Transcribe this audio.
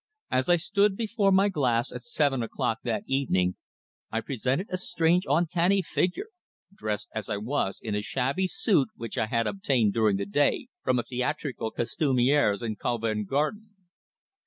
As I stood before my glass at seven o'clock that evening, I presented a strange, uncanny figure, dressed as I was in a shabby suit which I had obtained during the day from a theatrical costumier's in Covent Garden.